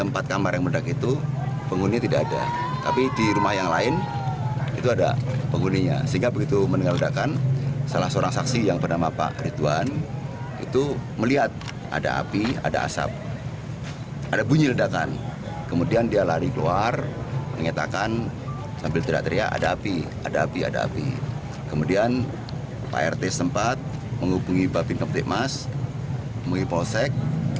pak rt sempat menghubungi bapak bintang petik mas menghubungi polsek